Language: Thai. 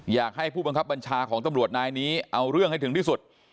อยากให้ผู้บังคับบัญชาของตำรวจนายนี้เอาเรื่องให้ถึงที่สุด